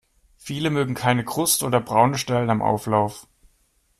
Viele mögen keine Kruste oder braune Stellen am Auflauf.